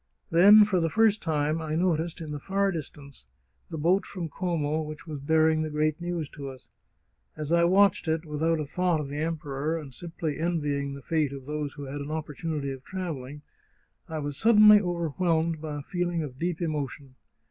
Then, for the first time, I noticed, in the far distance, the boat from Como which was bearing the great news to us. As I watched it, without a thought 27 The Chartreuse of Parma of the Emperor, and simply envying the fate of those who had an opportunity of travelling, I was suddenly over whelmed by a feeling of deep emotion.